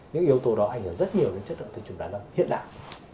những yếu tố đó ảnh hưởng rất nhiều đến chất lượng tinh trùng đàn ông hiện đại